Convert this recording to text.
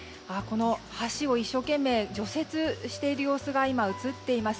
橋を一生懸命除雪している様子が映っています。